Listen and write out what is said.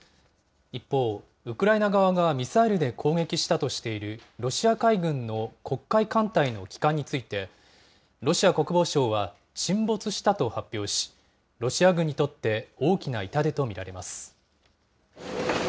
一方、ウクライナ側がミサイルで攻撃したとしている、ロシア海軍の黒海艦隊の旗艦について、ロシア国防省は沈没したと発表し、ロシア軍にとって大きな痛手と見られます。